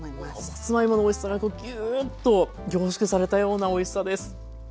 さつまいものおいしさがギューッと凝縮されたようなおいしさです。